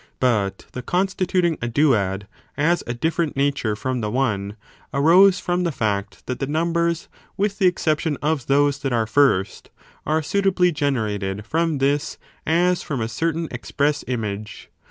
But the constituting a duad, as a different nature fi om the one, arose from the fact that the numbers, with the exception of those that are first, are suitably gene rated from this as from a certain express image.